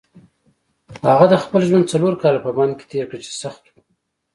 هغه د خپل ژوند څلور کاله په بند کې تېر کړل چې سخت وو.